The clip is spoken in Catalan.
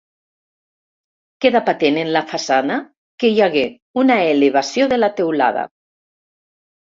Queda patent en la façana que hi hagué una elevació de la teulada.